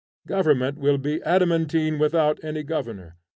Government will be adamantine without any governor.